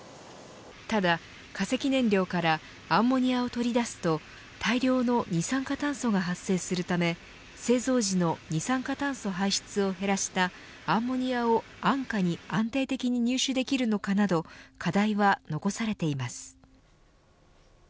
ただ、化石燃料からアンモニアを取り出すと大量の二酸化炭素が発生するため製造時の二酸化炭素排出を減らしたアンモニアを安価に安定的に入手できるのかなど課題は残されています。